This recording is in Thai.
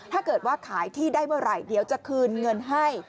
ถ้าเกิดว่าขายที่ได้เมื่อไหร่เดี๋ยวจะคืนเงินให้